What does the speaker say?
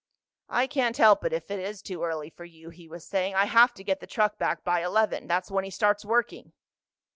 "I can't help it if it is too early for you," he was saying. "I have to get the truck back by eleven. That's when he starts working."